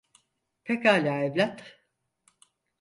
Pekala evlat.